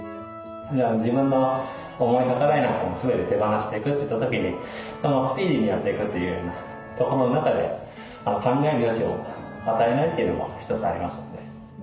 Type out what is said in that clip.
自分の思い計らいなんかも全て手放していくといった時にスピーディーにやっていくというようなことの中で考える余地を与えないというのも一つありますよね。